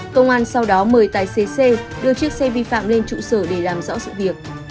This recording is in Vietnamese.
công an sau đó mời tài xế c đưa chiếc xe vi phạm lên trụ sở để làm rõ sự việc